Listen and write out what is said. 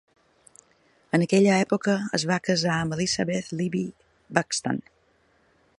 En aquella època es va casar amb Elizabeth "Libbie" Buxton.